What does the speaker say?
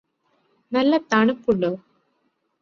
നല്ല തണുപ്പുണ്ടോ